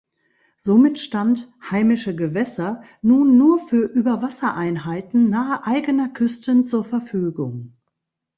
Somit stand „Heimische Gewässer“ nun nur für Überwassereinheiten nahe eigener Küsten zur Verfügung.